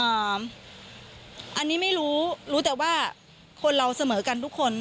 อันนี้ไม่รู้รู้รู้แต่ว่าคนเราเสมอกันทุกคน